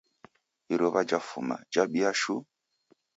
Iruwa jafuma, jhabia shuu.